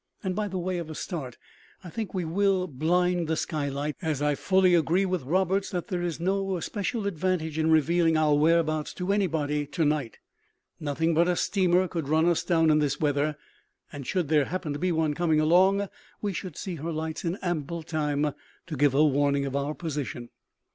And, by way of a start, I think we will `blind' the skylights; as I fully agree with Roberts that there is no especial advantage in revealing four whereabouts to anybody to night. Nothing but a steamer could run us down in this weather; and, should there happen to be one coming along, we should see her lights in ample time to give her warning of our position."